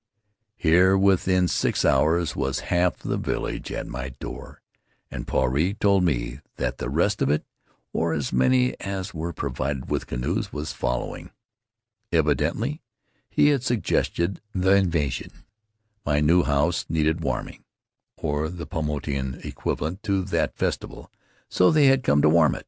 Here within six hours was half the village at my door, and Puarei told me that the rest of it, or as many as were provided with canoes, was following. Evidently he had sug gested the invasion. My new house needed warming — or the Paumotuan equivalent to that festival — so they had come to warm it.